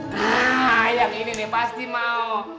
nah yang ini nih pasti mau